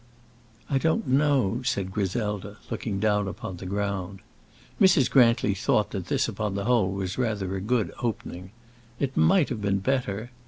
"I don't know," said Griselda, looking down upon the ground. Mrs. Grantly thought that this upon the whole was rather a good opening. It might have been better.